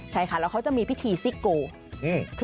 ใช่ค่ะแล้วเขาจะมีพิธีซิโก